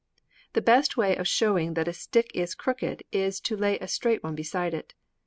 The best way of showing that a stick is crooked is to lay a straight one beside it.